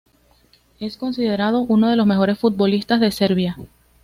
Es considerado uno de los mejores futbolistas de Serbia.